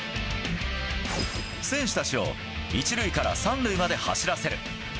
選手たちを１塁から３塁まで走らせる。